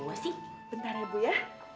bentar ya bu ya